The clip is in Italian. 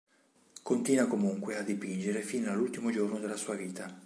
Continua comunque a dipingere fino all'ultimo giorno della sua vita.